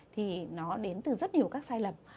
thì nó đến từ rất nhiều các sai lầm